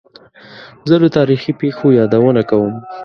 زه د تاریخي پېښو یادونه کوم.